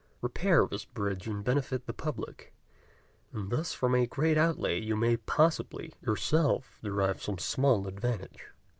Repair this bridge and benefit the public; and thus from a great outlay you may possibly yourself derive some small advantage."